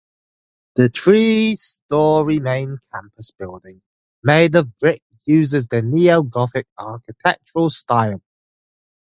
The three story main campus building, made of brick, uses the Neo-Gothic architectural style.